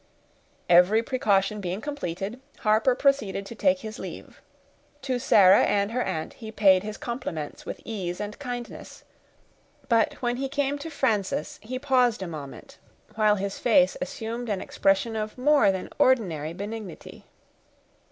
Every precaution being completed, Harper proceeded to take his leave. To Sarah and her aunt he paid his compliments with ease and kindness; but when he came to Frances, he paused a moment, while his face assumed an expression of more than ordinary benignity.